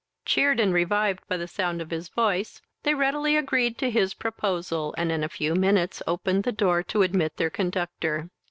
Cheered and revived by the sound of his voice, they readily agreed to his proposal, and in a few minutes opened the door to admit their conductor.